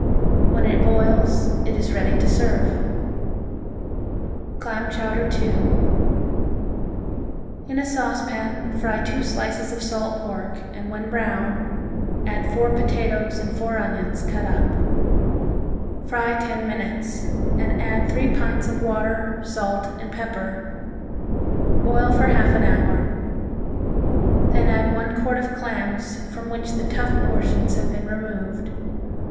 When it boils, it is ready to serve. Clam Chowder II In a saucepan fry two slices of salt pork and when brown, add four potatoes and four onions cut up. Fry ten minutes and add three pints of water, salt and pepper. Boil for half an hour. Then add one quart of clams from which the tough portions have been removed.